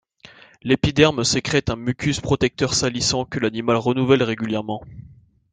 L'épiderme sécrète un mucus protecteur salissant, que l'animal renouvelle régulièrement.